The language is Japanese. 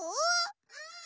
うん。